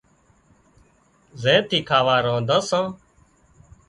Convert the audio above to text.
زين ٿِي کاوا رانڌان سان